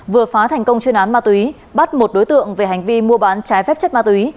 vừa phá thành công chuyên án ma túy bắt một đối tượng về hành vi mua bán trái phép chất ma túy